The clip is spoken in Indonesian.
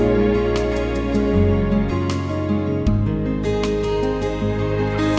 ini bisa sama kita berdua